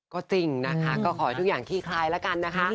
ก็จริงนะคะก็ขอให้ทุกอย่างขี้คลายแล้วกันนะคะ